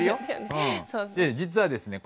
実はですね